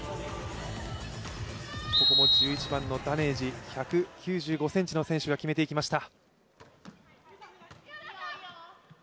ここも１１番のダネージ、１９５ｃｍの選手が決めていきました。